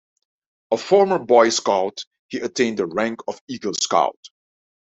A former Boy Scout, he attained the rank of Eagle Scout.